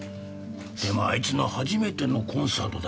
でもあいつの初めてのコンサートだからな。